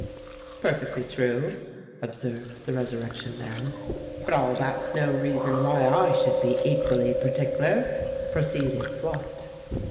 "Perfectly true," observed the Resurrection Man. "But all that's no reason why I should be equally partickler," proceeded Swot.